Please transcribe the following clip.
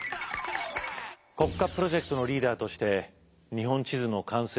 国家プロジェクトのリーダーとして日本地図の完成に闘志を燃やす忠敬。